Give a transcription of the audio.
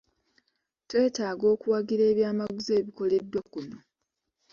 Twetaaga okuwagira ebyamaguzi ebikoleddwa kuno.